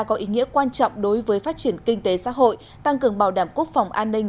có ý nghĩa quan trọng đối với phát triển kinh tế xã hội tăng cường bảo đảm quốc phòng an ninh